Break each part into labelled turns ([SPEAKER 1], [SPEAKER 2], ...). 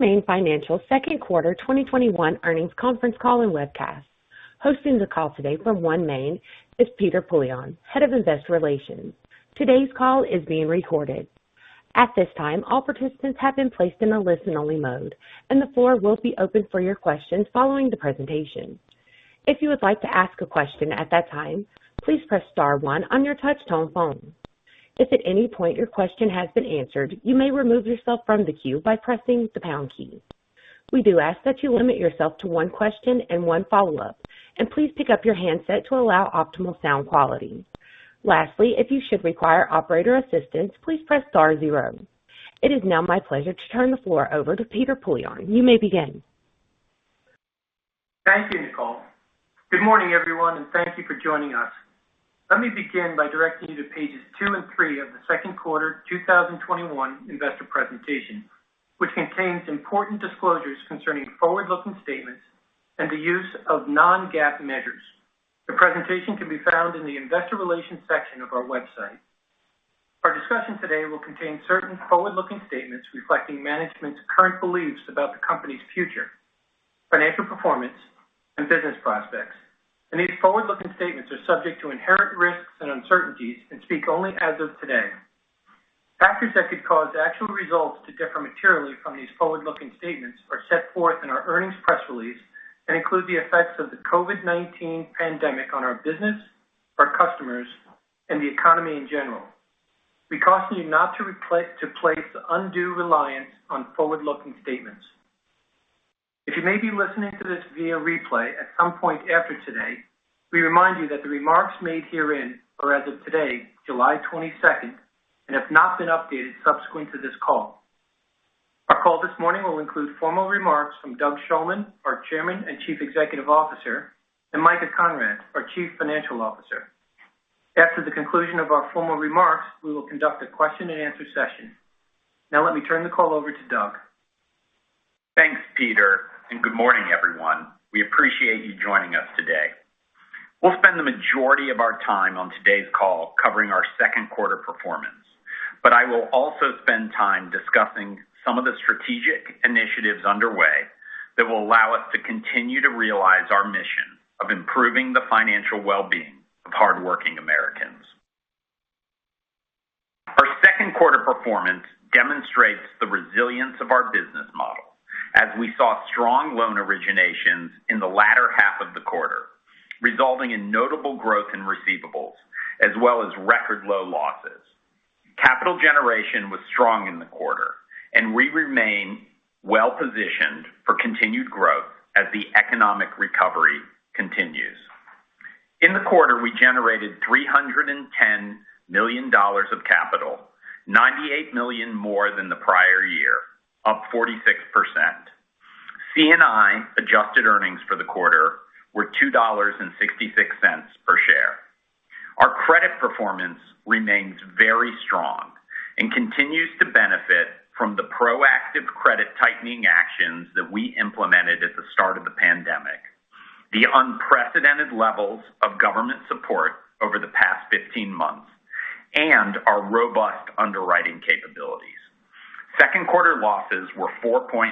[SPEAKER 1] OneMain Financial second quarter 2021 earnings conference call and webcast. Hosting the call today for OneMain is Peter Poillon, Head of Investor Relations. Today's call is being recorded. At this time, all participants have been placed in a listen-only mode, and the floor will be open for your questions following the presentation. If you would like to ask a question at that time, please press star one on your touch-tone phone. If at any point your question has been answered, you may remove yourself from the queue by pressing the pound key. We do ask that you limit yourself to one question and one follow-up, and please pick up your handset to allow optimal sound quality. Lastly, if you should require operator assistance, please press star zero. It is now my pleasure to turn the floor over to Peter Poillon. You may begin.
[SPEAKER 2] Thank you, Nicole. Good morning, everyone, and thank you for joining us. Let me begin by directing you to pages two and three of the second quarter 2021 investor presentation, which contains important disclosures concerning forward-looking statements and the use of non-GAAP measures. The presentation can be found in the investor relations section of our website. Our discussion today will contain certain forward-looking statements reflecting management's current beliefs about the company's future, financial performance, and business prospects. These forward-looking statements are subject to inherent risks and uncertainties and speak only as of today. Factors that could cause actual results to differ materially from these forward-looking statements are set forth in our earnings press release and include the effects of the COVID-19 pandemic on our business, our customers, and the economy in general. We caution you not to place undue reliance on forward-looking statements. If you may be listening to this via replay at some point after today, we remind you that the remarks made herein are as of today, July 22nd, and have not been updated subsequent to this call. Our call this morning will include formal remarks from Doug Shulman, our Chairman and Chief Executive Officer, and Micah Conrad, our Chief Financial Officer. After the conclusion of our formal remarks, we will conduct a question-and-answer session. Now let me turn the call over to Doug.
[SPEAKER 3] Thanks, Peter. Good morning, everyone. We appreciate you joining us today. We'll spend the majority of our time on today's call covering our second quarter performance, but I will also spend time discussing some of the strategic initiatives underway that will allow us to continue to realize our mission of improving the financial well-being of hardworking Americans. Our second quarter performance demonstrates the resilience of our business model as we saw strong loan originations in the latter half of the quarter, resulting in notable growth in receivables as well as record low losses. Capital generation was strong in the quarter, and we remain well-positioned for continued growth as the economic recovery continues. In the quarter, we generated $310 million of capital, $98 million more than the prior year, up 46%. C&I-adjusted earnings for the quarter were $2.66 per share. Our credit performance remains very strong and continues to benefit from the proactive credit tightening actions that we implemented at the start of the pandemic, the unprecedented levels of government support over the past 15 months, and our robust underwriting capabilities. Second quarter losses were 4.4%,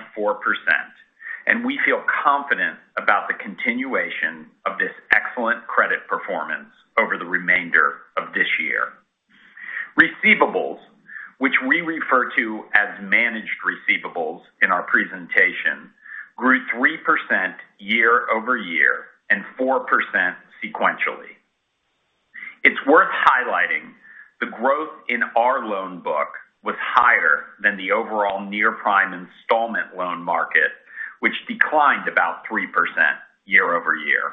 [SPEAKER 3] and we feel confident about the continuation of this excellent credit performance over the remainder of this year. Receivables, which we refer to as managed receivables in our presentation, grew 3% year-over-year and 4% sequentially. It's worth highlighting the growth in our loan book was higher than the overall near-prime installment loan market, which declined about 3% year-over-year.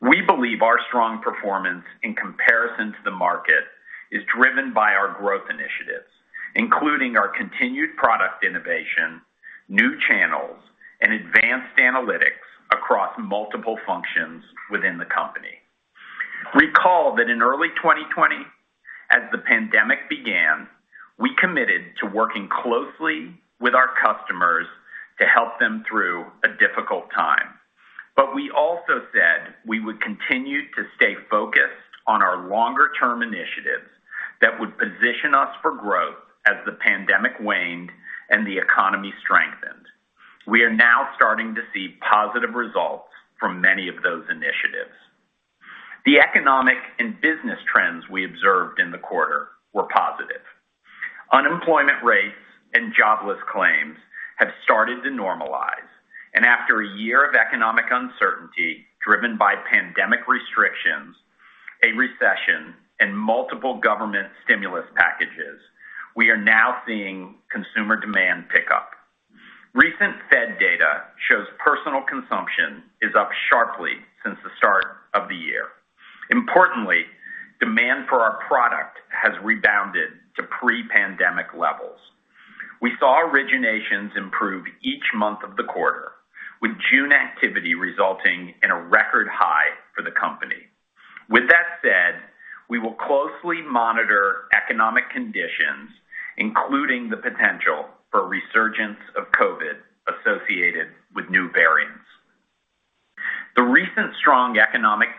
[SPEAKER 3] We believe our strong performance in comparison to the market is driven by our growth initiatives, including our continued product innovation, new channels, and advanced analytics across multiple functions within the company. Recall that in early 2020, as the pandemic began, we committed to working closely with our customers to help them through a difficult time. We also said we would continue to stay focused on our longer-term initiatives that would position us for growth as the pandemic waned and the economy strengthened. We are now starting to see positive results from many of those initiatives. The economic and business trends we observed in the quarter were positive. Unemployment rates and jobless claims have started to normalize, and after a year of economic uncertainty driven by pandemic restrictions, a recession, and multiple government stimulus packages, we are now seeing consumer demand pick up. Recent Fed data shows personal consumption is up sharply since the start of the year. Importantly, demand for our product has rebounded to pre-pandemic levels. We saw originations improve each month of the quarter, with June activity resulting in a record high for the company. With that said, we will closely monitor economic conditions, including the potential for a resurgence of COVID-19 associated with new variants. The recent strong economic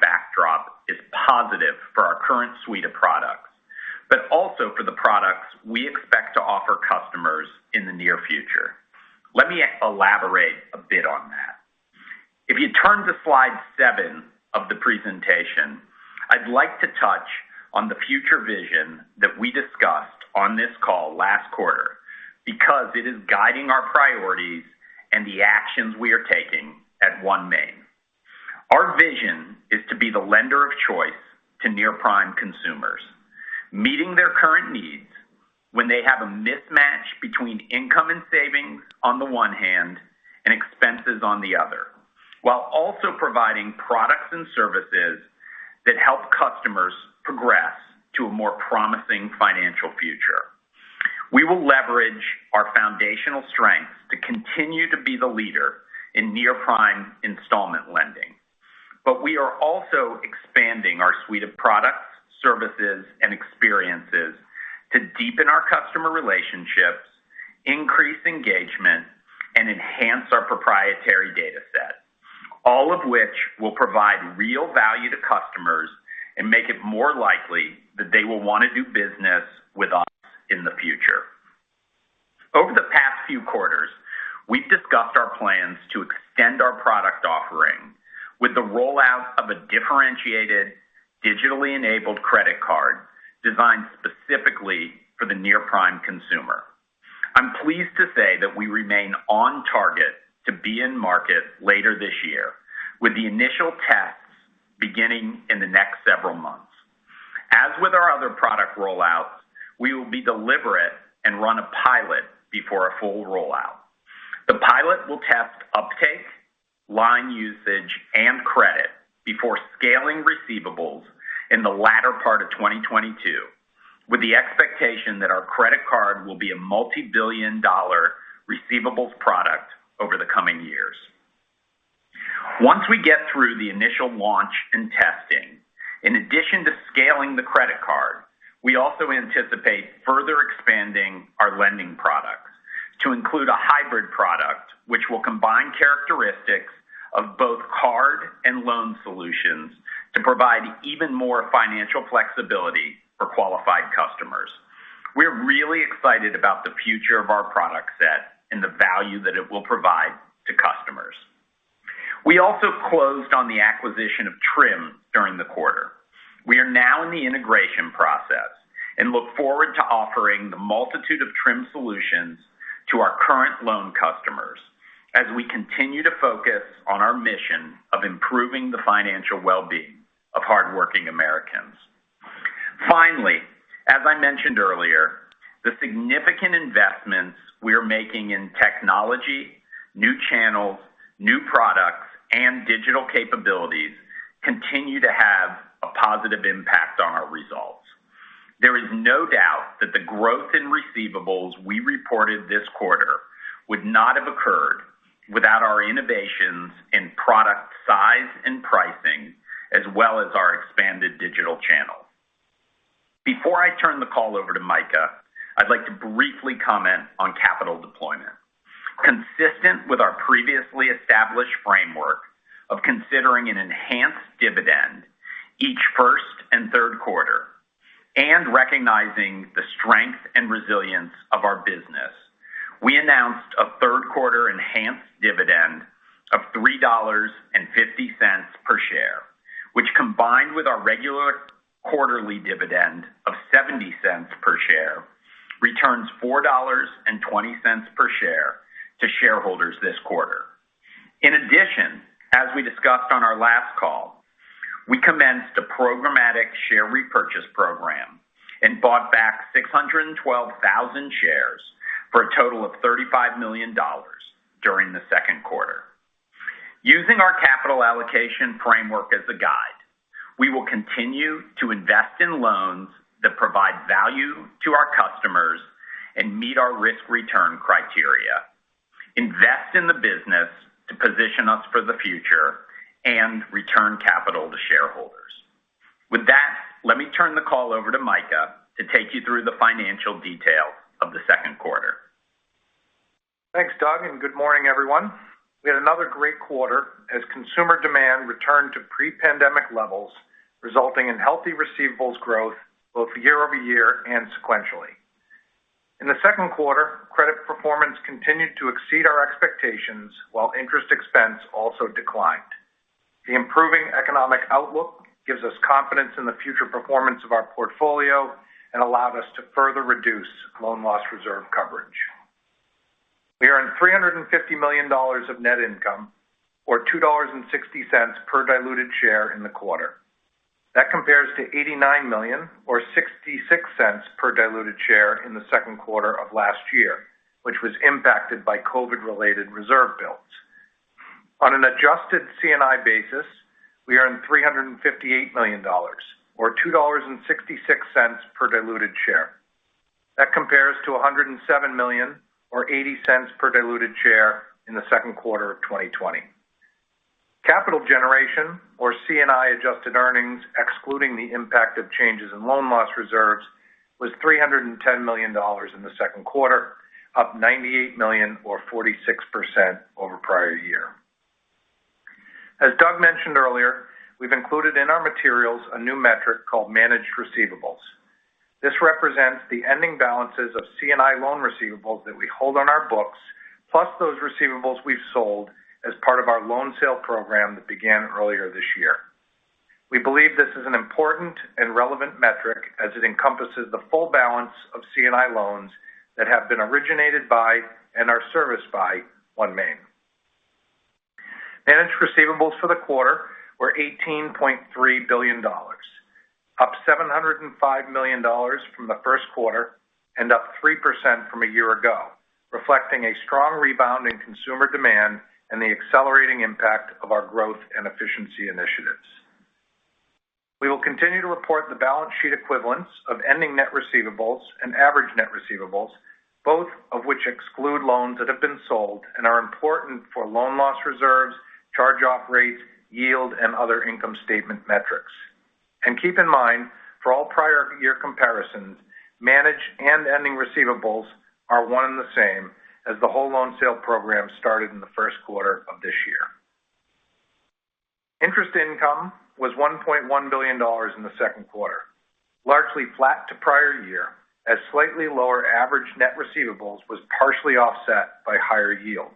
[SPEAKER 3] suite of products, but also for the products we expect to offer customers in the near future. Let me elaborate a bit on that. If you turn to slide seven of the presentation, I'd like to touch on the future vision that we discussed on this call last quarter, because it is guiding our priorities and the actions we are taking at OneMain. Our vision is to be the lender of choice to near-prime consumers, meeting their current needs when they have a mismatch between income and savings on the one hand and expenses on the other, while also providing products and services that help customers progress to a more promising financial future. We will leverage our foundational strengths to continue to be the leader in near-prime installment lending. We are also expanding our suite of products, services, and experiences to deepen our customer relationships, increase engagement, and enhance our proprietary data set, all of which will provide real value to customers and make it more likely that they will want to do business with us in the future. Over the past few quarters, we've discussed our plans to extend our product offering with the rollout of a differentiated digitally enabled credit card designed specifically for the near-prime consumer. I'm pleased to say that we remain on target to be in market later this year with the initial tests beginning in the next several months. As with our other product rollouts, we will be deliberate and run a pilot before a full rollout. The pilot will test uptake, line usage, and credit before scaling receivables in the latter part of 2022, with the expectation that our credit card will be a multi-billion-dollar receivables product over the coming years. Once we get through the initial launch and testing, in addition to scaling the credit card, we also anticipate further expanding our lending products to include a hybrid product, which will combine characteristics of both card and loan solutions to provide even more financial flexibility for qualified customers. We're really excited about the future of our product set and the value that it will provide to customers. We also closed on the acquisition of Trim during the quarter. We are now in the integration process and look forward to offering the multitude of Trim solutions to our current loan customers as we continue to focus on our mission of improving the financial wellbeing of hardworking Americans. Finally, as I mentioned earlier, the significant investments we are making in technology, new channels, new products, and digital capabilities continue to have a positive impact on our results. There is no doubt that the growth in receivables we reported this quarter would not have occurred without our innovations in product size and pricing, as well as our expanded digital channel. Before I turn the call over to Micah, I'd like to briefly comment on capital deployment. Consistent with our previously established framework of considering an enhanced dividend each first and third quarter, and recognizing the strength and resilience of our business, we announced a third quarter enhanced dividend of $3.50 per share, which combined with our regular quarterly dividend of $0.70 per share, returns $4.20 per share to shareholders this quarter. In addition, as we discussed on our last call, we commenced a programmatic share repurchase program and bought back 612,000 shares for a total of $35 million during the second quarter. Using our capital allocation framework as a guide, we will continue to invest in loans that provide value to our customers and meet our risk-return criteria, invest in the business to position us for the future, and return capital to shareholders. With that, let me turn the call over to Micah to take you through the financial details of the second quarter.
[SPEAKER 4] Thanks, Doug. Good morning, everyone. We had another great quarter as consumer demand returned to pre-pandemic levels, resulting in healthy receivables growth both year-over-year and sequentially. In the second quarter, credit performance continued to exceed our expectations while interest expense also declined. The improving economic outlook gives us confidence in the future performance of our portfolio and allowed us to further reduce loan loss reserve coverage. We earned $350 million of net income, or $2.60 per diluted share in the quarter. That compares to $89 million or $0.66 per diluted share in the second quarter of last year, which was impacted by COVID-19-related reserve builds. On an adjusted C&I basis, we earned $358 million or $2.66 per diluted share. That compares to $107 million or $0.80 per diluted share in the second quarter of 2020. Capital generation, or C&I adjusted earnings, excluding the impact of changes in loan loss reserves, was $310 million in the second quarter, up $98 million or 46% over prior year. As Doug mentioned earlier, we've included in our materials a new metric called managed receivables. This represents the ending balances of C&I loan receivables that we hold on our books, plus those receivables we've sold as part of our loan sale program that began earlier this year. We believe this is an important and relevant metric as it encompasses the full balance of C&I loans that have been originated by and are serviced by OneMain. Managed receivables for the quarter were $18.3 billion. Up $705 million from the first quarter and up 3% from a year ago, reflecting a strong rebound in consumer demand and the accelerating impact of our growth and efficiency initiatives. We will continue to report the balance sheet equivalents of ending net receivables and average net receivables, both of which exclude loans that have been sold and are important for loan loss reserves, charge-off rates, yield, and other income statement metrics. Keep in mind, for all prior year comparisons, managed and ending receivables are one and the same, as the whole loan sale program started in the first quarter of this year. Interest income was $1.1 billion in the second quarter, largely flat to prior year, as slightly lower average net receivables was partially offset by higher yield.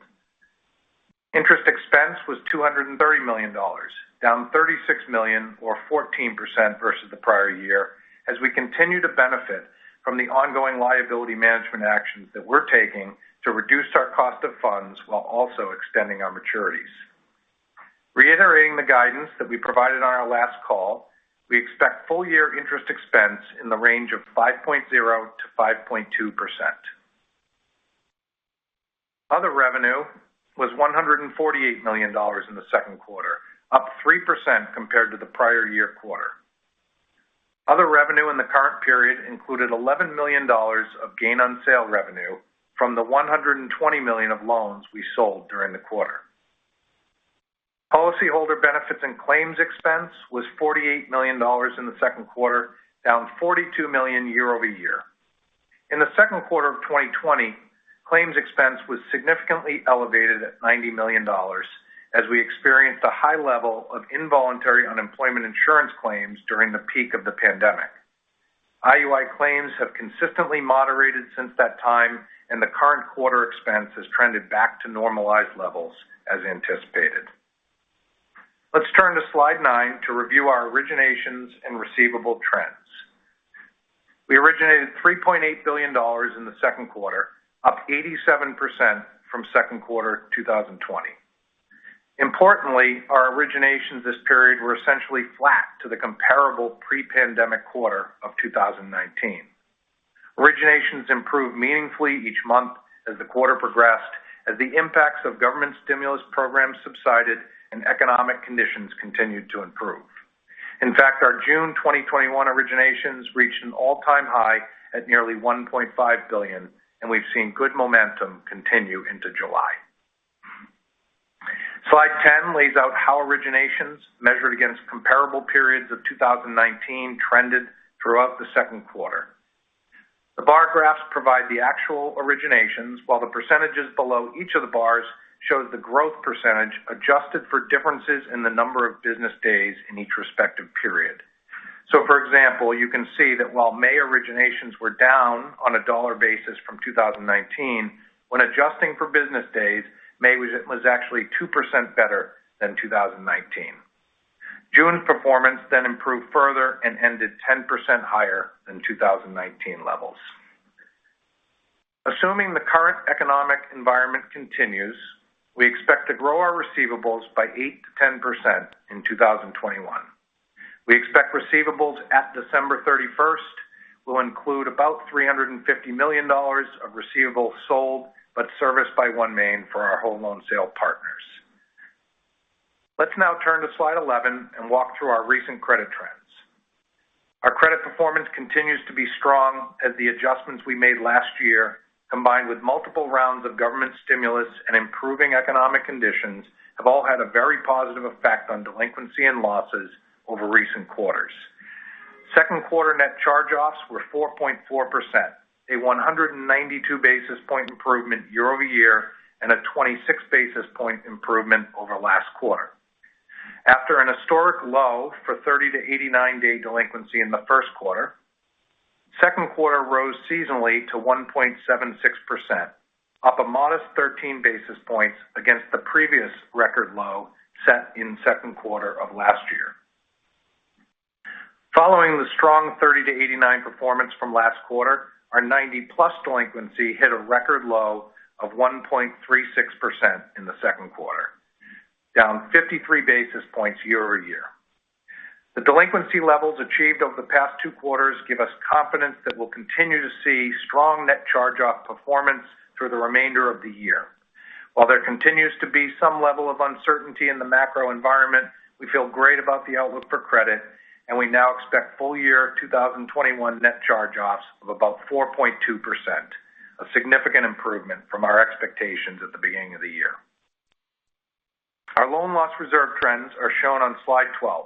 [SPEAKER 4] Interest expense was $230 million, down $36 million or 14% versus the prior year, as we continue to benefit from the ongoing liability management actions that we're taking to reduce our cost of funds while also extending our maturities. Reiterating the guidance that we provided on our last call, we expect full year interest expense in the range of 5.0%-5.2%. Other revenue was $148 million in the second quarter, up 3% compared to the prior year quarter. Other revenue in the current period included $11 million of gain on sale revenue from the $120 million of loans we sold during the quarter. Policyholder benefits and claims expense was $48 million in the second quarter, down $42 million year-over-year. In the second quarter of 2020, claims expense was significantly elevated at $90 million as we experienced a high level of involuntary unemployment insurance claims during the peak of the pandemic. IUI claims have consistently moderated since that time, and the current quarter expense has trended back to normalized levels as anticipated. Let's turn to slide nine to review our originations and receivable trends. We originated $3.8 billion in the second quarter, up 87% from second quarter 2020. Importantly, our originations this period were essentially flat to the comparable pre-pandemic quarter of 2019. Originations improved meaningfully each month as the quarter progressed, as the impacts of government stimulus programs subsided and economic conditions continued to improve. In fact, our June 2021 originations reached an all-time high at nearly $1.5 billion, and we've seen good momentum continue into July. Slide 10 lays out how originations measured against comparable periods of 2019 trended throughout the second quarter. The bar graphs provide the actual originations, while the percentages below each of the bars shows the growth percentage adjusted for differences in the number of business days in each respective period. For example, you can see that while May originations were down on a dollar basis from 2019, when adjusting for business days, May was actually 2% better than 2019. June's performance then improved further and ended 10% higher than 2019 levels. Assuming the current economic environment continues, we expect to grow our receivables by 8%-10% in 2021. We expect receivables at December 31st will include about $350 million of receivables sold but serviced by OneMain for our whole loan sale partners. Let's now turn to slide 11 and walk through our recent credit trends. Our credit performance continues to be strong as the adjustments we made last year, combined with multiple rounds of government stimulus and improving economic conditions, have all had a very positive effect on delinquency and losses over recent quarters. Second quarter net charge-offs were 4.4%, a 192 basis point improvement year-over-year and a 26 basis point improvement over last quarter. After an historic low for 30-89-day delinquency in the first quarter, second quarter rose seasonally to 1.76%, up a modest 13 basis points against the previous record low set in second quarter of last year. Following the strong 30-89 performance from last quarter, our 90-plus delinquency hit a record low of 1.36% in the second quarter, down 53 basis points year-over-year. The delinquency levels achieved over the past two quarters give us confidence that we'll continue to see strong net charge-off performance through the remainder of the year. While there continues to be some level of uncertainty in the macro environment, we feel great about the outlook for credit, and we now expect full year 2021 net charge-offs of about 4.2%, a significant improvement from our expectations at the beginning of the year. Our loan loss reserve trends are shown on slide 12.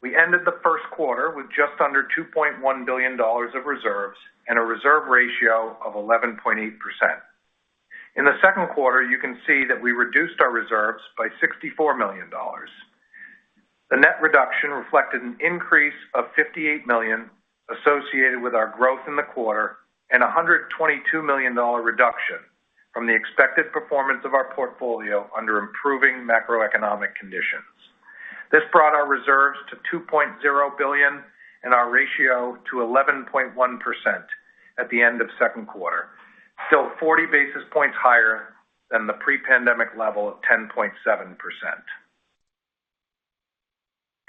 [SPEAKER 4] We ended the first quarter with just under $2.1 billion of reserves and a reserve ratio of 11.8%. In the second quarter, you can see that we reduced our reserves by $64 million. The net reduction reflected an increase of $58 million associated with our growth in the quarter and $122 million reduction from the expected performance of our portfolio under improving macroeconomic conditions. This brought our reserves to $2.0 billion and our ratio to 11.1% at the end of second quarter. Still 40 basis points higher than the pre-pandemic level of 10.7%.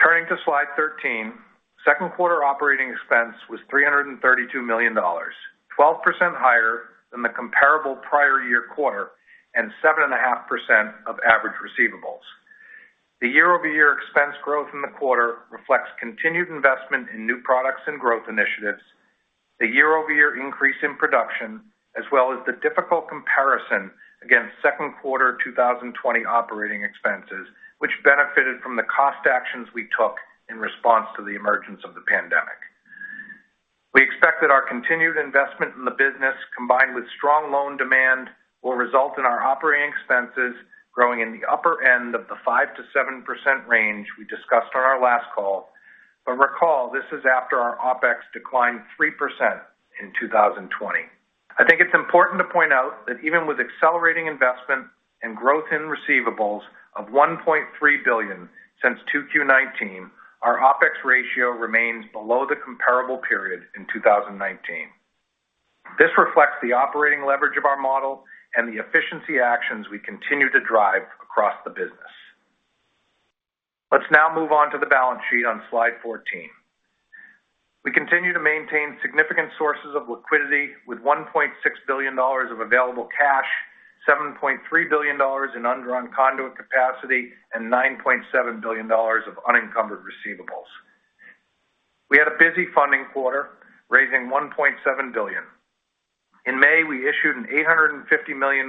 [SPEAKER 4] Turning to slide 13, second quarter operating expense was $332 million, 12% higher than the comparable prior year quarter and 7.5% of average receivables. The year-over-year expense growth in the quarter reflects continued investment in new products and growth initiatives, the year-over-year increase in production, as well as the difficult comparison against second quarter 2020 operating expenses, which benefited from the cost actions we took in response to the emergence of the pandemic. We expect that our continued investment in the business, combined with strong loan demand, will result in our operating expenses growing in the upper end of the 5%-7% range we discussed on our last call. Recall, this is after our OpEx declined 3% in 2020. I think it's important to point out that even with accelerating investment and growth in receivables of $1.3 billion since 2Q 2019, our OpEx ratio remains below the comparable period in 2019. This reflects the operating leverage of our model and the efficiency actions we continue to drive across the business. Let's now move on to the balance sheet on slide 14. We continue to maintain significant sources of liquidity with $1.6 billion of available cash, $7.3 billion in undrawn conduit capacity, and $9.7 billion of unencumbered receivables. We had a busy funding quarter, raising $1.7 billion. In May, we issued an $850 million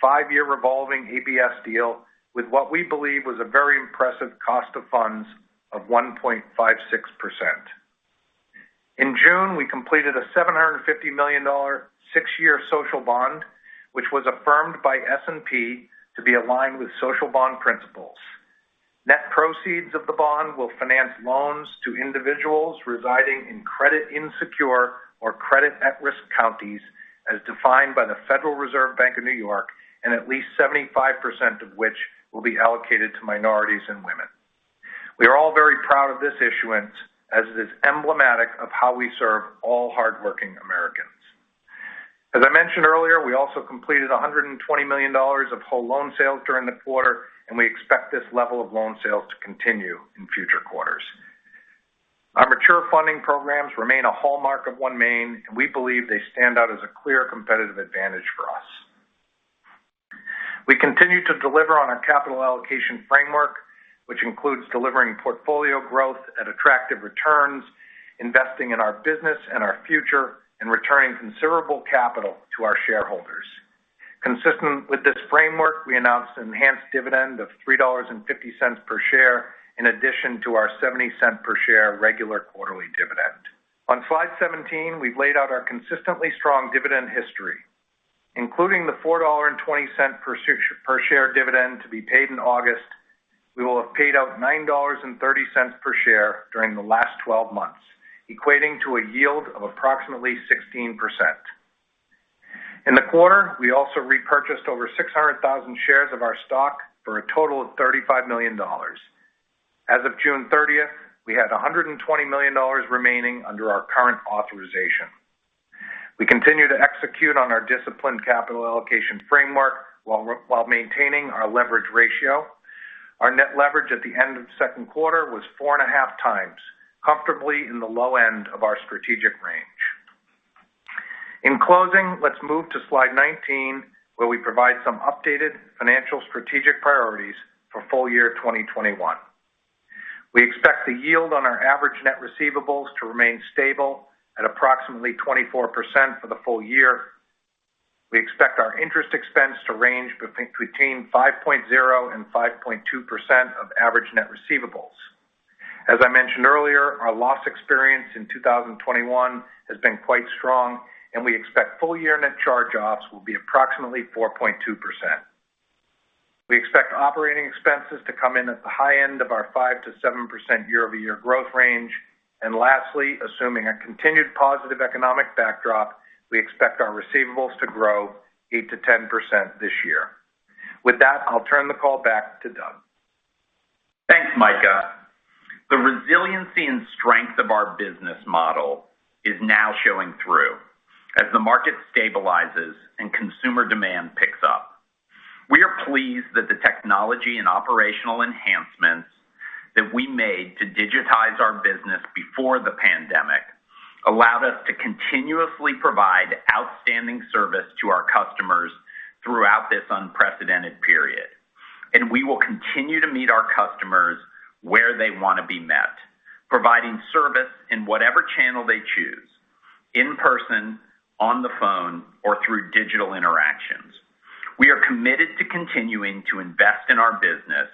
[SPEAKER 4] five-year revolving ABS deal with what we believe was a very impressive cost of funds of 1.56%. In June, we completed a $750 million six-year social bond, which was affirmed by S&P to be aligned with social bond principles. Net proceeds of the bond will finance loans to individuals residing in credit insecure or credit at-risk counties, as defined by the Federal Reserve Bank of New York, and at least 75% of which will be allocated to minorities and women. We are all very proud of this issuance as it is emblematic of how we serve all hardworking Americans. As I mentioned earlier, we also completed $120 million of whole loan sales during the quarter, and we expect this level of loan sales to continue in future quarters. Our mature funding programs remain a hallmark of OneMain, and we believe they stand out as a clear competitive advantage for us. We continue to deliver on our capital allocation framework, which includes delivering portfolio growth at attractive returns, investing in our business and our future, and returning considerable capital to our shareholders. Consistent with this framework, we announced an enhanced dividend of $3.50 per share in addition to our $0.70 per share regular quarterly dividend. On slide 17, we've laid out our consistently strong dividend history. Including the $4.20 per share dividend to be paid in August, we will have paid out $9.30 per share during the last 12 months, equating to a yield of approximately 16%. In the quarter, we also repurchased over 600,000 shares of our stock for a total of $35 million. As of June 30th, we had $120 million remaining under our current authorization. We continue to execute on our disciplined capital allocation framework while maintaining our leverage ratio. Our net leverage at the end of the second quarter was 4.5x, comfortably in the low end of our strategic range. In closing, let's move to slide 19, where we provide some updated financial strategic priorities for full year 2021. We expect the yield on our average net receivables to remain stable at approximately 24% for the full year. We expect our interest expense to range between 5.0% and 5.2% of average net receivables. As I mentioned earlier, our loss experience in 2021 has been quite strong, and we expect full year net charge-offs will be approximately 4.2%. We expect operating expenses to come in at the high end of our 5%-7% year-over-year growth range. Lastly, assuming a continued positive economic backdrop, we expect our receivables to grow 8%-10% this year. With that, I'll turn the call back to Doug.
[SPEAKER 3] Thanks, Micah. The resiliency and strength of our business model is now showing through as the market stabilizes and consumer demand picks up. We are pleased that the technology and operational enhancements that we made to digitize our business before the pandemic allowed us to continuously provide outstanding service to our customers throughout this unprecedented period. We will continue to meet our customers where they want to be met, providing service in whatever channel they choose, in person, on the phone, or through digital interaction. We're committed to continuing to invest in our business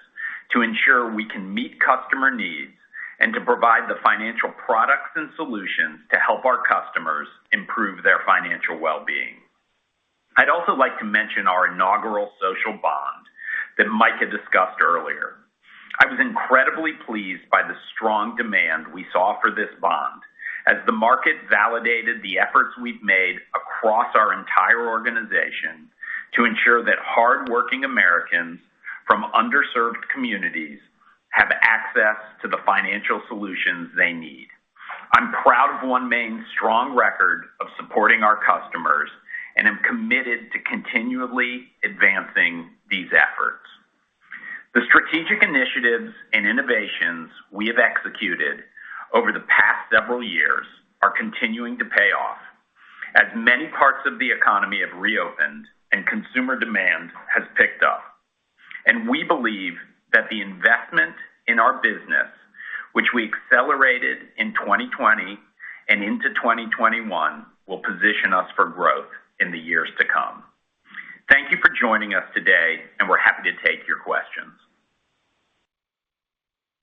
[SPEAKER 3] to ensure we can meet customer needs, and to provide the financial products and solutions to help our customers improve their financial well-being. I'd also like to mention our inaugural social bond that Micah discussed earlier. I was incredibly pleased by the strong demand we saw for this bond as the market validated the efforts we've made across our entire organization to ensure that hardworking Americans from underserved communities have access to the financial solutions they need. I'm proud of OneMain's strong record of supporting our customers, and am committed to continually advancing these efforts. The strategic initiatives and innovations we have executed over the past several years are continuing to pay off as many parts of the economy have reopened and consumer demand has picked up. We believe that the investment in our business, which we accelerated in 2020 and into 2021, will position us for growth in the years to come. Thank you for joining us today, and we're happy to take your questions.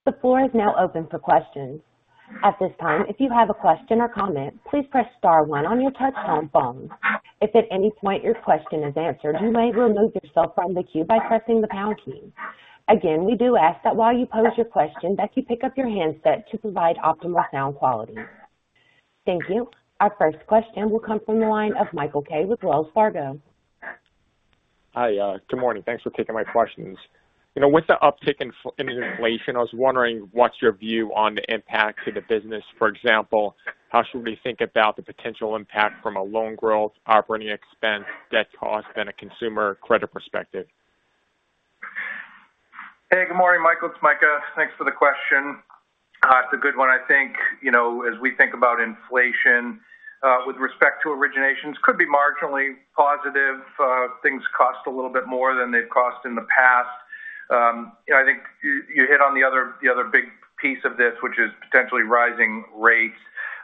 [SPEAKER 1] The floor is now open for questions. At this time if you have a question or comment please press star one on your touchtone phone. If at any point your question is answered you may remove yourself from the que by pressing the pound key. Again we do ask when you pose your question that you pick up your handset to provide optimum sound quality. Thank you. Our first question will come from the line of Michael Kaye with Wells Fargo.
[SPEAKER 5] Hi. Good morning. Thanks for taking my questions. With the uptick in inflation, I was wondering what's your view on the impact to the business. For example, how should we think about the potential impact from a loan growth, operating expense, debt cost, and a consumer credit perspective?
[SPEAKER 4] Hey, good morning, Michael. It's Micah. Thanks for the question. It's a good one. I think as we think about inflation with respect to originations, could be marginally positive. Things cost a little bit more than they've cost in the past. I think you hit on the other big piece of this, which is potentially rising rates.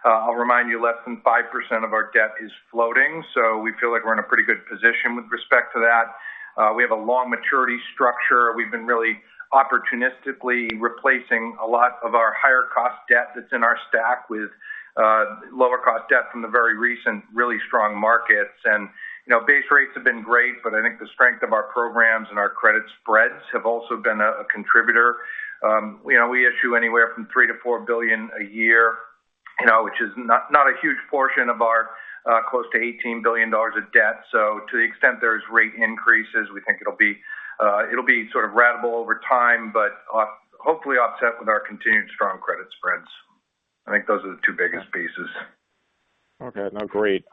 [SPEAKER 4] I'll remind you, less than 5% of our debt is floating, so we feel like we're in a pretty good position with respect to that. We have a long maturity structure. We've been really opportunistically replacing a lot of our higher cost debt that's in our stack with lower cost debt from the very recent really strong markets. Base rates have been great, but I think the strength of our programs and our credit spreads have also been a contributor. We issue anywhere from $3 billion-$4 billion a year, which is not a huge portion of our close to $18 billion of debt. To the extent there's rate increases, we think it'll be sort of ratable over time, but hopefully offset with our continued strong credit spreads. I think those are the two biggest pieces.
[SPEAKER 5] Okay. No, great.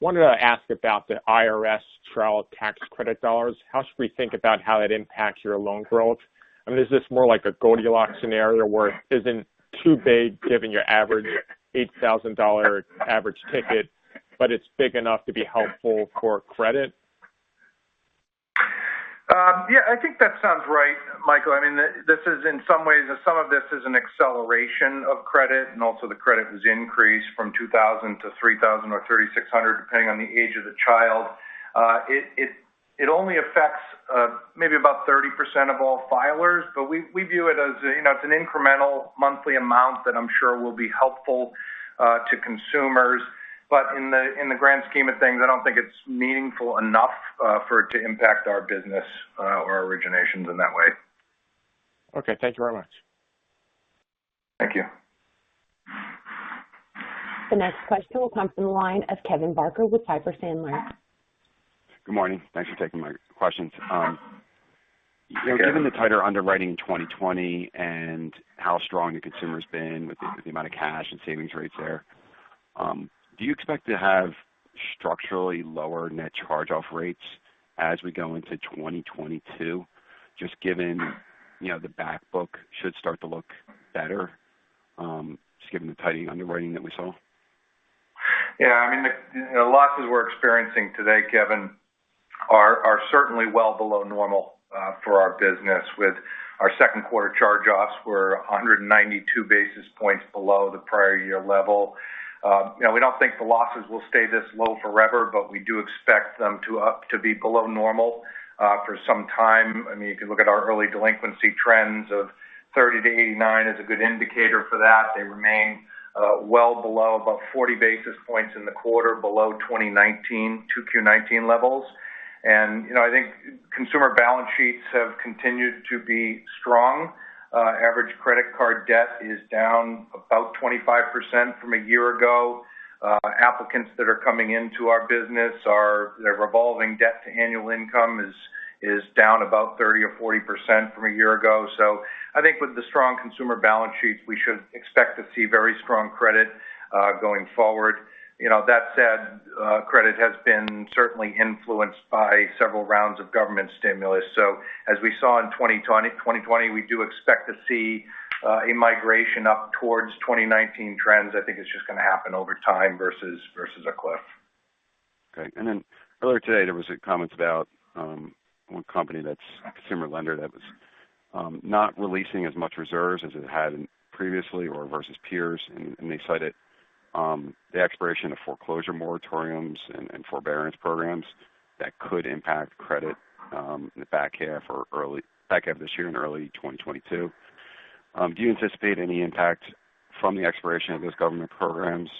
[SPEAKER 5] Wanted to ask about the IRS child tax credit dollars. How should we think about how that impacts your loan growth? I mean, is this more like a Goldilocks scenario where it isn't too big given your average $8,000 average ticket, but it's big enough to be helpful for credit?
[SPEAKER 4] Yeah, I think that sounds right, Michael. I mean, some of this is an acceleration of credit and also the credit has increased from $2,000-$3,000 or $3,600, depending on the age of the child. It only affects maybe about 30% of all filers, but we view it as an incremental monthly amount that I'm sure will be helpful to consumers. In the grand scheme of things, I don't think it's meaningful enough for it to impact our business or our originations in that way.
[SPEAKER 5] Okay. Thank you very much.
[SPEAKER 4] Thank you.
[SPEAKER 1] The next question will come from the line of Kevin Barker with Piper Sandler.
[SPEAKER 6] Good morning. Thanks for taking my questions.
[SPEAKER 3] Good morning.
[SPEAKER 6] Given the tighter underwriting in 2020 and how strong your consumer's been with the amount of cash and savings rates there, do you expect to have structurally lower net charge-off rates as we go into 2022? Just given the back book should start to look better, just given the tightening underwriting that we saw.
[SPEAKER 4] Yeah. The losses we're experiencing today, Kevin, are certainly well below normal for our business with our second quarter charge-offs were 192 basis points below the prior year level. We don't think the losses will stay this low forever, but we do expect them to be below normal for some time. If you look at our early delinquency trends of 30-89 is a good indicator for that. They remain well below, about 40 basis points in the quarter below 2019, 2Q 2019 levels. I think consumer balance sheets have continued to be strong. Average credit card debt is down about 25% from a year ago. Applicants that are coming into our business, their revolving debt to annual income is down about 30% or 40% from a year ago. I think with the strong consumer balance sheets, we should expect to see very strong credit going forward. That said, credit has been certainly influenced by several rounds of government stimulus. As we saw in 2020, we do expect to see a migration up towards 2019 trends. I think it's just going to happen over time versus a cliff.
[SPEAKER 6] Okay. Earlier today, there was a comment about one company that's a consumer lender that was. Not releasing as much reserves as it had previously, or versus peers. They cited the expiration of foreclosure moratoriums and forbearance programs that could impact credit in the back half of this year and early 2022. Do you anticipate any impact from the expiration of those government programs,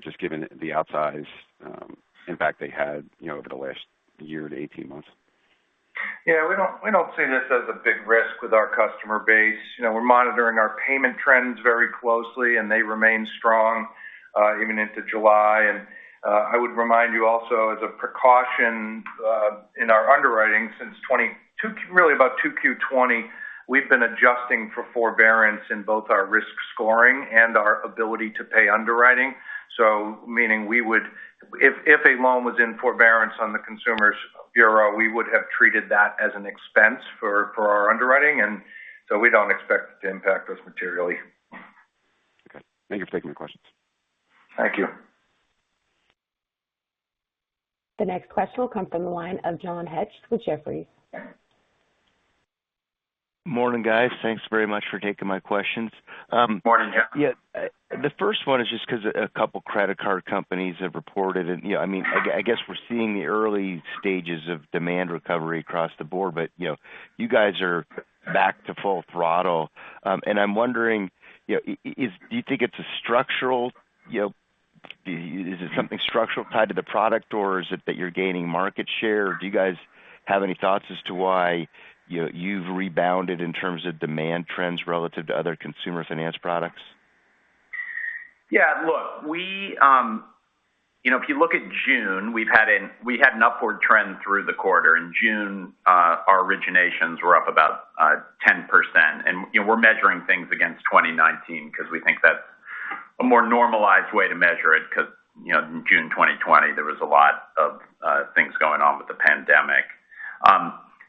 [SPEAKER 6] just given the outsize impact they had over the last year to 18 months?
[SPEAKER 4] We don't see this as a big risk with our customer base. We're monitoring our payment trends very closely, and they remain strong even into July. I would remind you also, as a precaution in our underwriting since really about 2Q 2020, we've been adjusting for forbearance in both our risk scoring and our ability to pay underwriting. Meaning, if a loan was in forbearance on the consumer's bureau, we would have treated that as an expense for our underwriting, and so we don't expect to impact us materially.
[SPEAKER 6] Okay. Thank you for taking the questions.
[SPEAKER 4] Thank you.
[SPEAKER 1] The next question will come from the line of John Hecht with Jefferies.
[SPEAKER 7] Morning, guys. Thanks very much for taking my questions.
[SPEAKER 3] Morning, John.
[SPEAKER 7] Yeah. The first one is just because two credit card companies have reported, I guess we're seeing the early stages of demand recovery across the board, but you guys are back to full throttle. I'm wondering, do you think it's something structural tied to the product, or is it that you're gaining market share? Do you guys have any thoughts as to why you've rebounded in terms of demand trends relative to other consumer finance products?
[SPEAKER 3] Look, if you look at June, we had an upward trend through the quarter. In June, our originations were up about 10%. We're measuring things against 2019 because we think that's a more normalized way to measure it because in June 2020, there was a lot of things going on with the pandemic.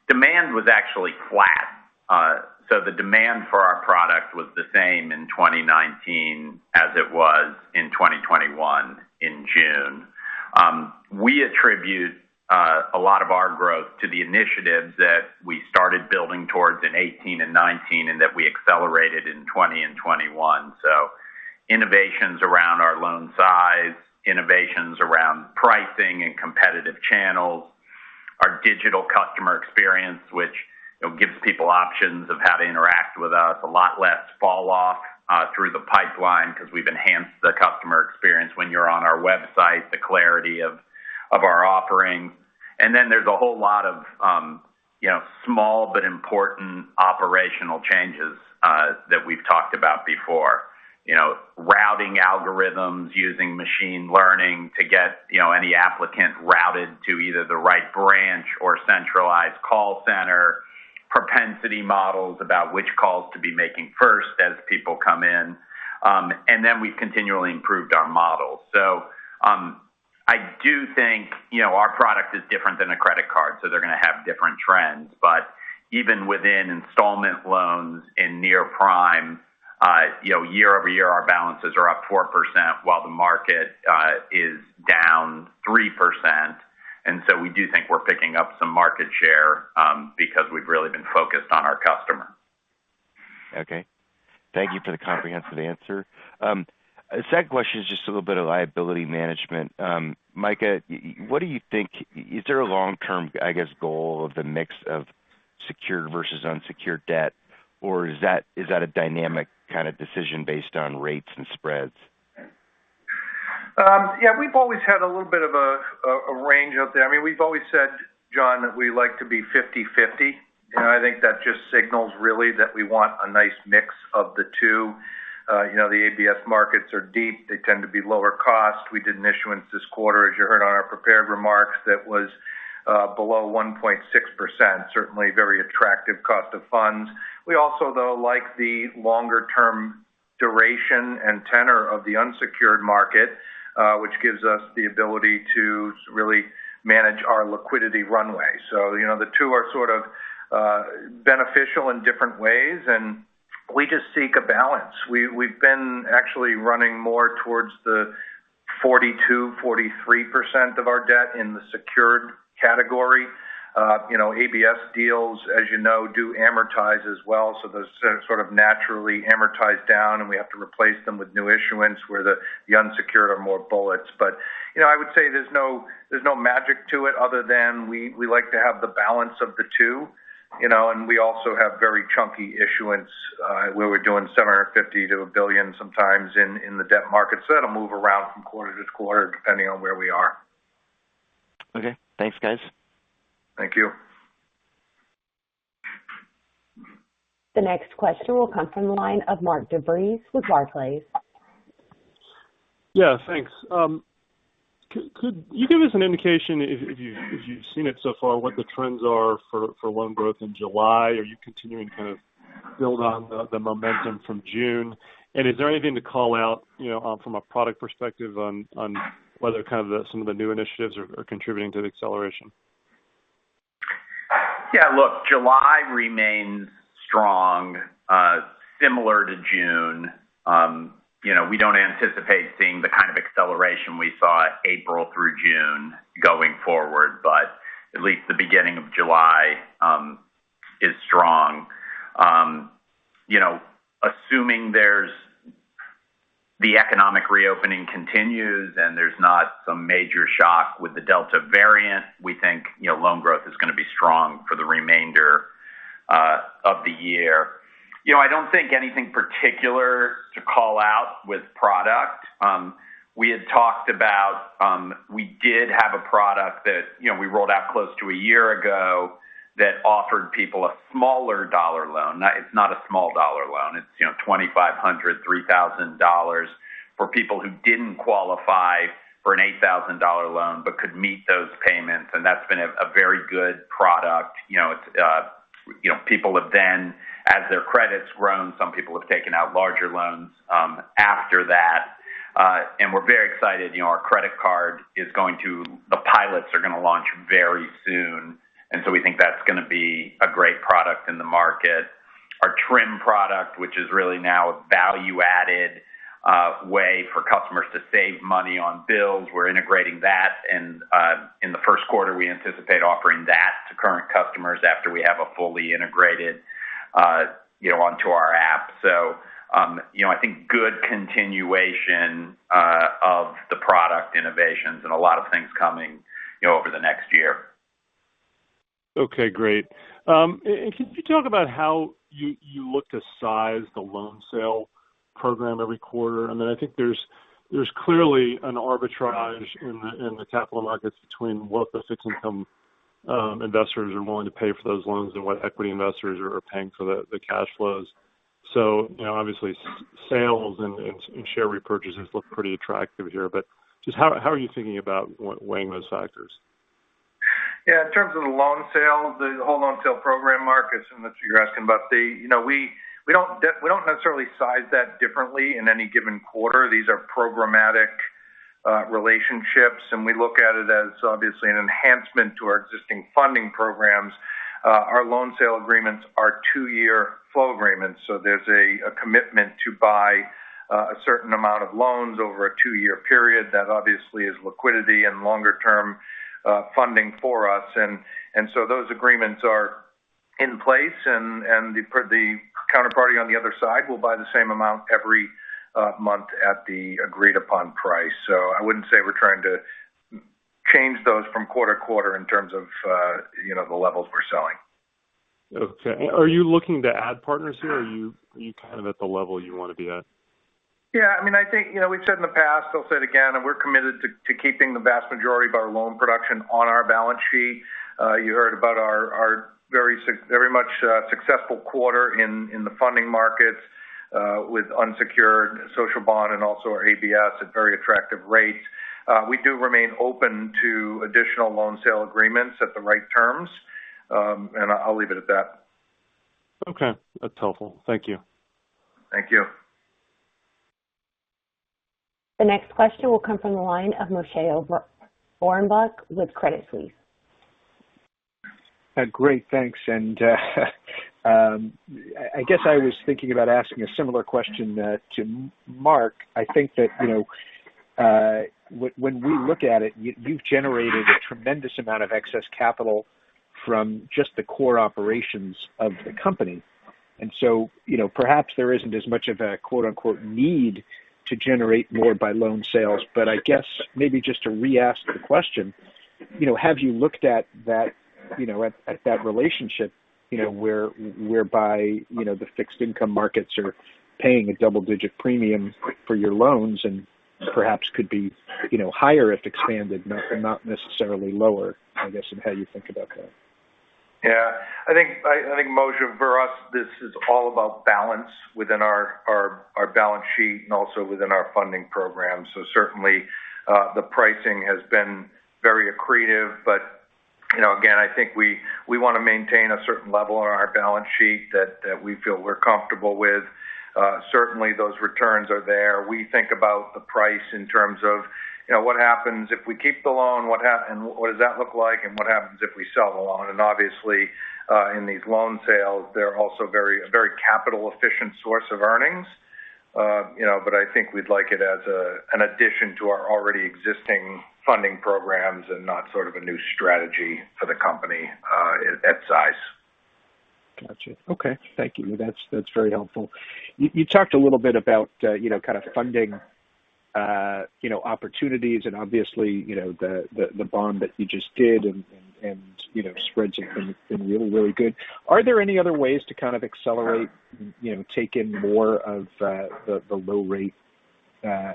[SPEAKER 3] Demand was actually flat. The demand for our product was the same in 2019 as it was in 2021 in June. We attribute a lot of our growth to the initiatives that we started building towards in 2018 and 2019, and that we accelerated in 2020 and 2021. Innovations around our loan size, innovations around pricing and competitive channels, our digital customer experience, which gives people options of how to interact with us, a lot less fall off through the pipeline because we've enhanced the customer experience when you're on our website, the clarity of our offerings. There's a whole lot of small but important operational changes that we've talked about before. Routing algorithms, using machine learning to get any applicant routed to either the right branch or centralized call center, propensity models about which calls to be making first as people come in. We've continually improved our models. I do think our product is different than a credit card, so they're going to have different trends. Even within installment loans in near prime, year-over-year, our balances are up 4% while the market is down 3%. We do think we're picking up some market share because we've really been focused on our customer.
[SPEAKER 7] Okay. Thank you for the comprehensive answer. The second question is just a little bit of liability management. Micah, what do you think, is there a long-term, I guess, goal of the mix of secured versus unsecured debt, or is that a dynamic kind of decision based on rates and spreads?
[SPEAKER 4] Yeah. We've always had a little bit of a range out there. We've always said, John, that we like to be 50/50. I think that just signals really that we want a nice mix of the two. The ABS markets are deep. They tend to be lower cost. We did an issuance this quarter, as you heard on our prepared remarks, that was below 1.6%. Certainly very attractive cost of funds. We also, though, like the longer-term duration and tenor of the unsecured market which gives us the ability to really manage our liquidity runway. The two are sort of beneficial in different ways, and we just seek a balance. We've been actually running more towards the 42, 43% of our debt in the secured category. ABS deals, as you know, do amortize as well. Those sort of naturally amortize down, and we have to replace them with new issuance where the unsecured are more bullets. I would say there's no magic to it other than we like to have the balance of the two. We also have very chunky issuance where we're doing $750 million to $1 billion sometimes in the debt market. That'll move around from quarter-to-quarter depending on where we are.
[SPEAKER 7] Okay. Thanks, guys.
[SPEAKER 4] Thank you.
[SPEAKER 1] The next question will come from the line of Mark DeVries with Barclays.
[SPEAKER 8] Yeah, thanks. Could you give us an indication, if you've seen it so far, what the trends are for loan growth in July? Are you continuing to kind of build on the momentum from June? Is there anything to call out from a product perspective on whether some of the new initiatives are contributing to the acceleration?
[SPEAKER 3] Yeah, look, July remains strong. Similar to June. We don't anticipate seeing the kind of acceleration we saw April through June going forward, but at least the beginning of July is strong. Assuming the economic reopening continues and there's not some major shock with the Delta variant, we think loan growth is going to be strong for the remainder of the year. I don't think anything particular to call out with product. We had talked about, we did have a product that we rolled out close to a year ago that offered people a smaller dollar loan. Now, it's not a small dollar loan. It's $2,500, $3,000 for people who didn't qualify for an $8,000 loan but could meet those payments, and that's been a very good product. People have then, as their credit's grown, some people have taken out larger loans after that. We're very excited our credit card, the pilots are going to launch very soon. We think that's going to be a great product in the market. Our Trim product, which is really now a value-added way for customers to save money on bills, we're integrating that. In the first quarter, we anticipate offering that to current customers after we have it fully integrated onto our app. I think good continuation of the product innovations and a lot of things coming over the next year.
[SPEAKER 8] Okay, great. Can you talk about how you look to size the loan sale program every quarter? I think there's clearly an arbitrage in the capital markets between what the fixed income investors are willing to pay for those loans and what equity investors are paying for the cash flows. Obviously, sales and share repurchases look pretty attractive here, but just how are you thinking about weighing those factors?
[SPEAKER 4] Yeah. In terms of the loan sale, the whole loan sale program, Mark, I assume that's what you're asking about. We don't necessarily size that differently in any given quarter. These are programmatic relationships, and we look at it as obviously an enhancement to our existing funding programs. Our loan sale agreements are two-year flow agreements, so there's a commitment to buy a certain amount of loans over a two-year period that obviously is liquidity and longer-term funding for us. Those agreements are in place, and the counterparty on the other side will buy the same amount every month at the agreed-upon price. I wouldn't say we're trying to change those from quarter-to-quarter in terms of the levels we're selling.
[SPEAKER 8] Okay. Are you looking to add partners here, or are you kind of at the level you want to be at?
[SPEAKER 4] Yeah. We've said in the past, I'll say it again, and we're committed to keeping the vast majority of our loan production on our balance sheet. You heard about our very much successful quarter in the funding markets with unsecured social bond and also our ABS at very attractive rates. We do remain open to additional loan sale agreements at the right terms. I'll leave it at that.
[SPEAKER 8] Okay. That's helpful. Thank you.
[SPEAKER 4] Thank you.
[SPEAKER 1] The next question will come from the line of Moshe Orenbuch with Credit Suisse.
[SPEAKER 9] Great, thanks. I guess I was thinking about asking a similar question to Mark. I think that when we look at it, you've generated a tremendous amount of excess capital from just the core operations of the company. Perhaps there isn't as much of a quote unquote "need to generate more by loan sales." I guess maybe just to re-ask the question, have you looked at that relationship whereby the fixed income markets are paying a double-digit premium for your loans and perhaps could be higher if expanded, not necessarily lower, I guess, and how you think about that?
[SPEAKER 4] Yeah. I think, Moshe, for us, this is all about balance within our balance sheet and also within our funding program. Certainly the pricing has been very accretive. Again, I think we want to maintain a certain level on our balance sheet that we feel we're comfortable with. Certainly, those returns are there. We think about the price in terms of what happens if we keep the loan and what does that look like and what happens if we sell the loan. Obviously, in these loan sales, they're also a very capital-efficient source of earnings. I think we'd like it as an addition to our already existing funding programs and not sort of a new strategy for the company at size.
[SPEAKER 9] Got you. Okay. Thank you. That's very helpful. You talked a little bit about kind of funding opportunities and obviously the bond that you just did and spreads have been really good. Are there any other ways to kind of accelerate, take in more of the low rate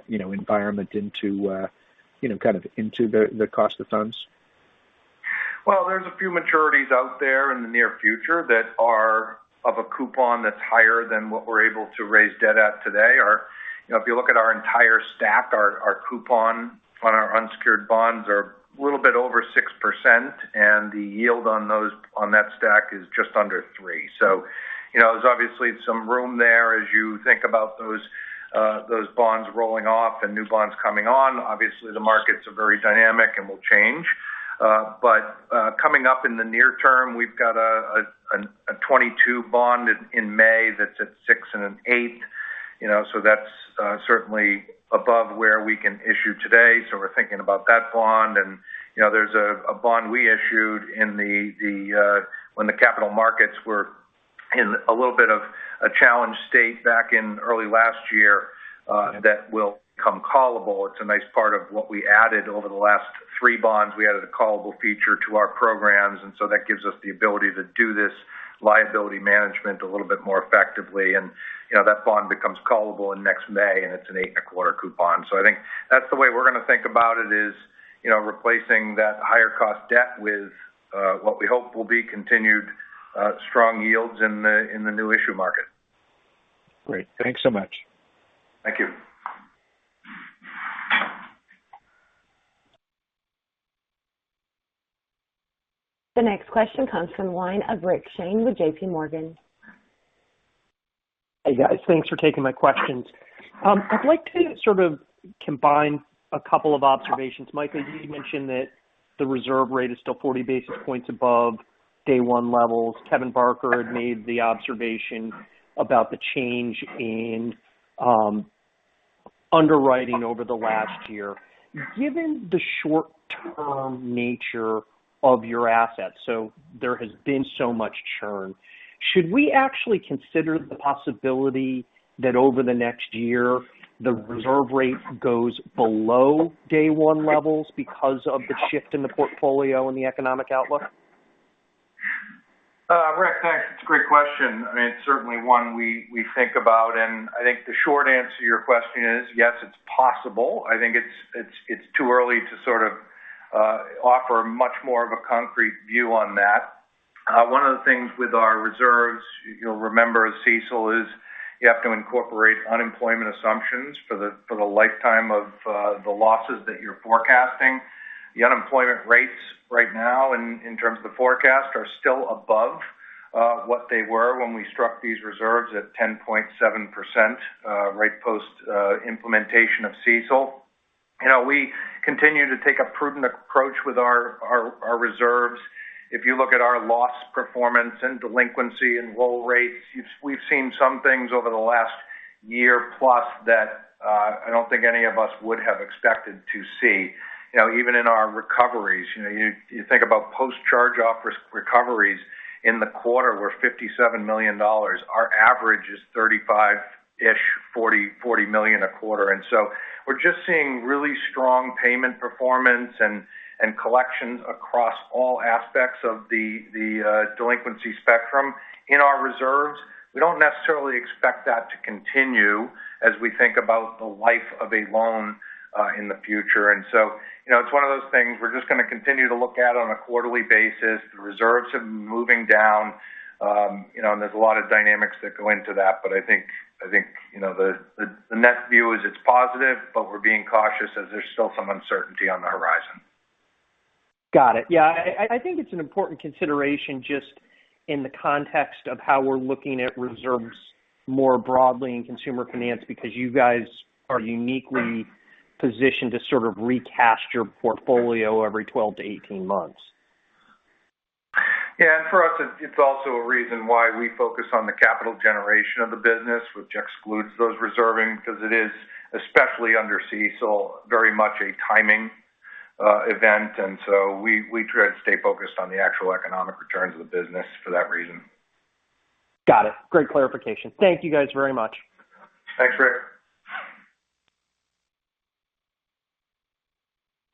[SPEAKER 9] environment into the cost of funds?
[SPEAKER 4] Well, there's a few maturities out there in the near future that are of a coupon that's higher than what we're able to raise debt at today. If you look at our entire stack, our coupon on our unsecured bonds are a little bit over 6%, and the yield on that stack is just under 3%. There's obviously some room there as you think about those bonds rolling off and new bonds coming on. Obviously, the markets are very dynamic and will change. Coming up in the near term, we've got a 2022 bond in May that's at six and an eight. That's certainly above where we can issue today. We're thinking about that bond. There's a bond we issued when the capital markets were in a little bit of a challenged state back in early last year that will become callable. It's a nice part of what we added over the last three bonds. We added a callable feature to our programs, that gives us the ability to do this liability management a little bit more effectively. That bond becomes callable in next May, and it's an eight and a quarter coupon. I think that's the way we're going to think about it is replacing that higher cost debt with what we hope will be continued strong yields in the new issue market.
[SPEAKER 9] Great. Thanks so much.
[SPEAKER 4] Thank you.
[SPEAKER 1] The next question comes from the line of Rick Shane with JPMorgan.
[SPEAKER 10] Hey, guys. Thanks for taking my questions. I'd like to sort of combine a couple of observations. Micah Conrad, you mentioned that the reserve rate is still 40 basis points above day one levels. Kevin Barker had made the observation about the change in underwriting over the last year. Given the short-term nature of your assets, so there has been so much churn, should we actually consider the possibility that over the next year, the reserve rate goes below day 1 levels because of the shift in the portfolio and the economic outlook?
[SPEAKER 4] Rick, thanks. It's a great question. It's certainly one we think about, and I think the short answer to your question is yes, it's possible. I think it's too early to sort of offer much more of a concrete view on that. One of the things with our reserves, you'll remember CECL is you have to incorporate unemployment assumptions for the lifetime of the losses that you're forecasting. The unemployment rates right now, in terms of the forecast, are still above what they were when we struck these reserves at 10.7% right post-implementation of CECL. We continue to take a prudent approach with our reserves. If you look at our loss performance in delinquency and roll rates, we've seen some things over the last year plus that I don't think any of us would have expected to see. Even in our recoveries, you think about post-charge-off recoveries in the quarter were $57 million. Our average is $35 million-ish, $40 million a quarter. We're just seeing really strong payment performance and collections across all aspects of the delinquency spectrum in our reserves. We don't necessarily expect that to continue as we think about the life of a loan in the future. It's one of those things we're just going to continue to look at on a quarterly basis. The reserves have been moving down, and there's a lot of dynamics that go into that. I think the net view is it's positive, but we're being cautious as there's still some uncertainty on the horizon.
[SPEAKER 10] Got it. Yeah, I think it's an important consideration just in the context of how we're looking at reserves more broadly in consumer finance because you guys are uniquely positioned to sort of recast your portfolio every 12 months-18 months.
[SPEAKER 4] Yeah, for us, it's also a reason why we focus on the capital generation of the business, which excludes those reserving because it is, especially under CECL, very much a timing event. We try to stay focused on the actual economic returns of the business for that reason.
[SPEAKER 10] Got it. Great clarification. Thank you guys very much.
[SPEAKER 4] Thanks, Rick.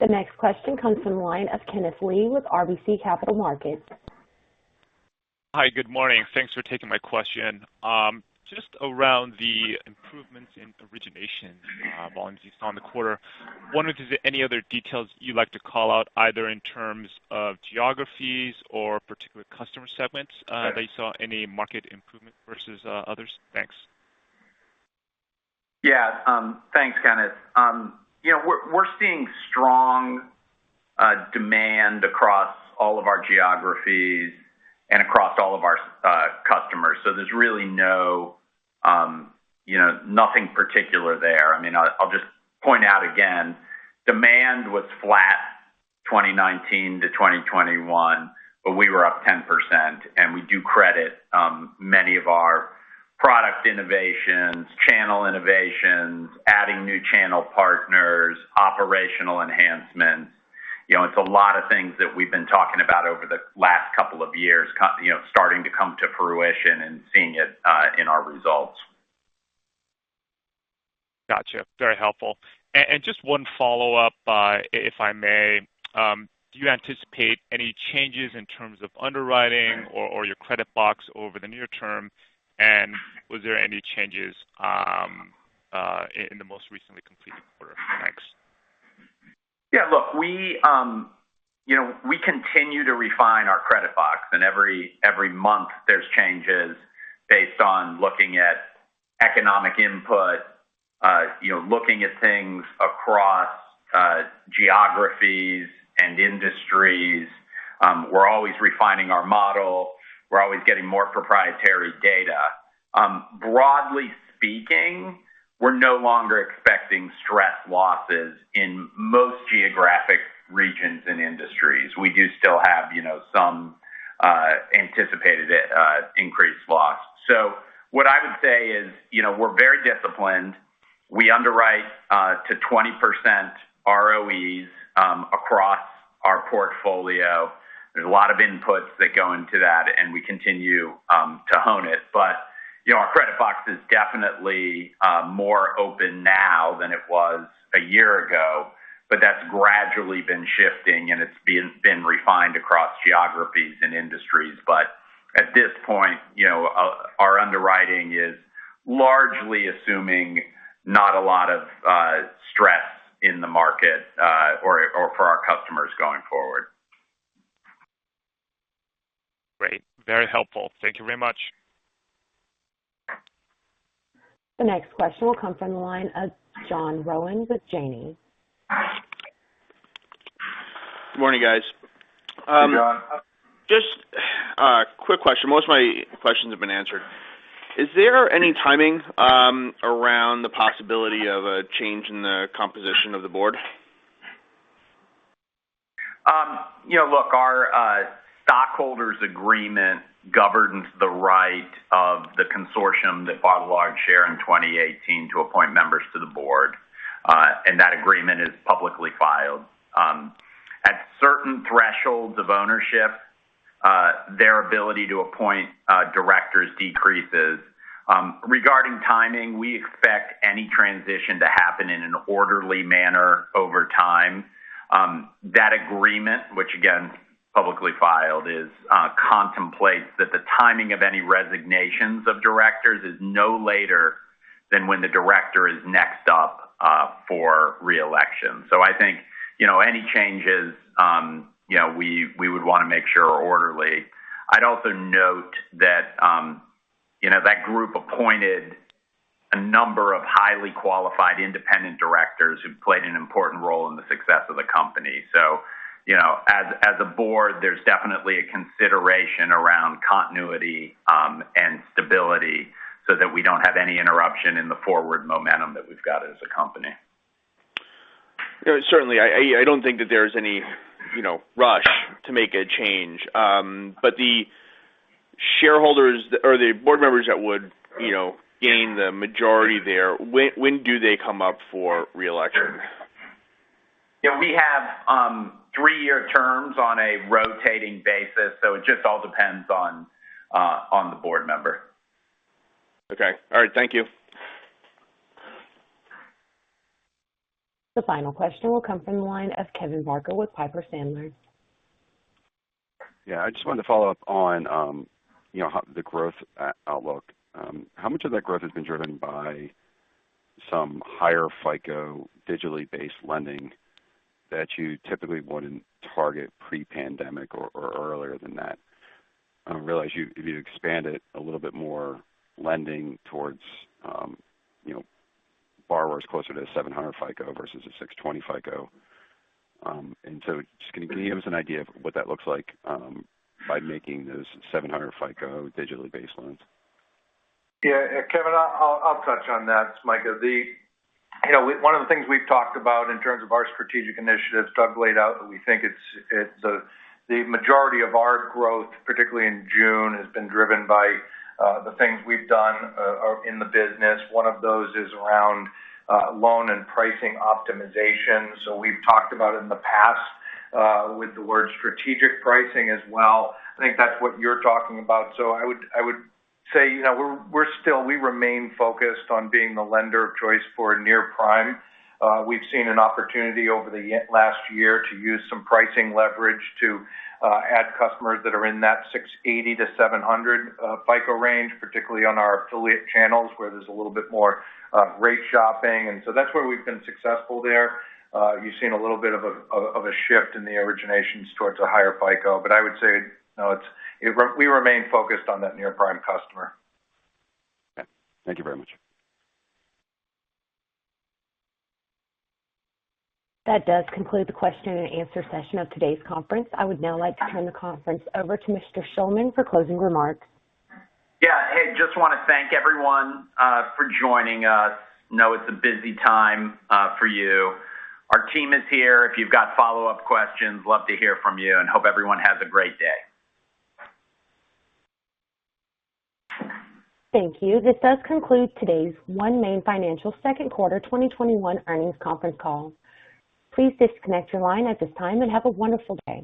[SPEAKER 1] The next question comes from the line of Kenneth Lee with RBC Capital Markets.
[SPEAKER 11] Hi, good morning. Thanks for taking my question. Just around the improvements in origination volumes you saw in the quarter, I wonder if there's any other details you'd like to call out, either in terms of geographies or particular customer segments that you saw any market improvement versus others? Thanks.
[SPEAKER 3] Yeah. Thanks, Kenneth. We're seeing strong demand across all of our geographies and across all of our customers. There's really nothing particular there. I'll just point out again, demand was flat 2019-2021, but we were up 10%, and we do credit many of our product innovations, channel innovations, adding new channel partners, operational enhancements. It's a lot of things that we've been talking about over the last couple of years starting to come to fruition and seeing it in our results.
[SPEAKER 11] Got you. Very helpful. Just one follow-up, if I may. Do you anticipate any changes in terms of underwriting or your credit box over the near-term? Was there any changes in the most recently completed quarter? Thanks.
[SPEAKER 3] Yeah, look, we continue to refine our credit box, and every month there's changes based on looking at economic input, looking at things across geographies and industries. We're always refining our model. We're always getting more proprietary data. Broadly speaking, we're no longer expecting stress losses in most geographic regions and industries. We do still have some anticipated increased loss. What I would say is we're very disciplined. We underwrite to 20% ROEs across our portfolio. There's a lot of inputs that go into that, and we continue to hone it. Our credit box is definitely more open now than it was a year ago, but that's gradually been shifting, and it's been refined across geographies and industries. At this point, our underwriting is largely assuming not a lot of stress in the market or for our customers going forward.
[SPEAKER 11] Great. Very helpful. Thank you very much.
[SPEAKER 1] The next question will come from the line of John Rowan with Janney.
[SPEAKER 12] Good morning, guys.
[SPEAKER 3] Hey, John.
[SPEAKER 12] Just a quick question. Most of my questions have been answered. Is there any timing around the possibility of a change in the composition of the board?
[SPEAKER 3] Look, our stockholders' agreement governs the right of the consortium that bought a large share in 2018 to appoint members to the board. That agreement is publicly filed. At certain thresholds of ownership, their ability to appoint directors decreases. Regarding timing, we expect any transition to happen in an orderly manner over time. That agreement, which again, publicly filed, contemplates that the timing of any resignations of directors is no later than when the director is next up for re-election. I think any changes we would want to make sure are orderly. I'd also note that that group appointed a number of highly qualified independent directors who played an important role in the success of the company. As a board, there's definitely a consideration around continuity and stability so that we don't have any interruption in the forward momentum that we've got as a company.
[SPEAKER 12] Certainly. I don't think that there's any rush to make a change. The board members that would gain the majority there, when do they come up for re-election?
[SPEAKER 4] We have three-year terms on a rotating basis, so it just all depends on the board member.
[SPEAKER 12] Okay. All right. Thank you.
[SPEAKER 1] The final question will come from the line of Kevin Barker with Piper Sandler.
[SPEAKER 6] Yeah, I just wanted to follow up on the growth outlook. How much of that growth has been driven by some higher FICO digitally based lending that you typically wouldn't target pre-pandemic or earlier than that? I realize you've expanded a little bit more lending towards borrowers closer to 700 FICO versus a 620 FICO. Just can you give us an idea of what that looks like by making those 700 FICO digitally based loans?
[SPEAKER 4] Yeah, Kevin, I'll touch on that. It's Micah. One of the things we've talked about in terms of our strategic initiatives, Doug laid out that we think it's the majority of our growth, particularly in June, has been driven by the things we've done in the business. One of those is around loan and pricing optimization. We've talked about in the past with the word strategic pricing as well. I think that's what you're talking about. I would say we remain focused on being the lender of choice for near-prime. We've seen an opportunity over the last year to use some pricing leverage to add customers that are in that 680-700 FICO range, particularly on our affiliate channels, where there's a little bit more rate shopping. That's where we've been successful there. You've seen a little bit of a shift in the originations towards a higher FICO. I would say we remain focused on that near-prime customer.
[SPEAKER 6] Okay. Thank you very much.
[SPEAKER 1] That does conclude the question-and-answer session of today's conference. I would now like to turn the conference over to Mr. Shulman for closing remarks.
[SPEAKER 3] Yeah. Hey, just want to thank everyone for joining us. We know it's a busy time for you. Our team is here if you've got follow-up questions. We love to hear from you, and hope everyone has a great day.
[SPEAKER 1] Thank you. This does conclude today's OneMain Financial second quarter 2021 earnings conference call. Please disconnect your line at this time, and have a wonderful day.